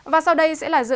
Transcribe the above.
và sau đây sẽ là dự báo